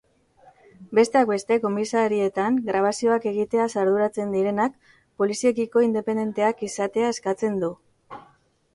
Besteak beste, komisarietan grabazioak egiteaz arduratzen direnak poliziekiko independenteak izatea eskatzen du.